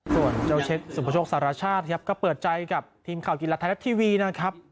ส่วนเจ้าเช็คสุภาโชคสารชาติครับก็เปิดใจกับทีมข่าวกีฬาไทยรัฐทีวีนะครับ